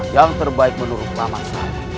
yang terbaik menurut pak mas